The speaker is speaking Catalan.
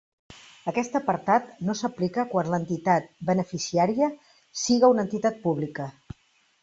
Aquest apartat no s'aplica quan l'entitat beneficiària siga una entitat pública.